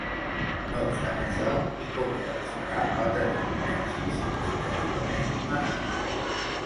No obstant això i com era d'esperar, va tenir un èxit significativament menor.